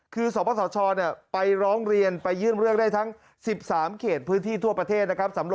คือสปสชไปร้องเรียนไปยื่นเรื่องได้ทั้ง๑๓เขตพื้นที่ทั่วประเทศนะครับ